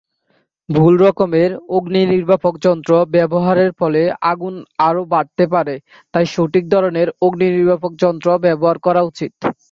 ভুল রকমের অগ্নিনির্বাপক যন্ত্র ব্যবহারের ফলে আগুন আরও বাড়তে পারে তাই সঠিক ধরনের অগ্নিনির্বাপক যন্ত্র ব্যবহার করা উচিত।